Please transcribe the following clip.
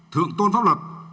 thượng tôn pháp luật